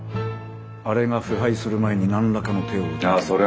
あれが腐敗する前に何らかの手を打たなければ。